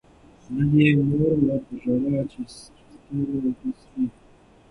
نه دي مور وه په ژړا چي سترګي سرې کړي